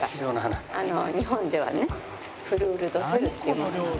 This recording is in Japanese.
日本ではねフルール・ド・セルっていうものなんですけど。